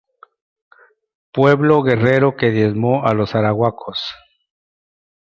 Pueblo guerrero que diezmó a los arahuacos.